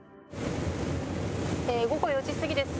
午後４時過ぎです。